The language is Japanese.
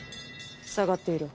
下がっていろ。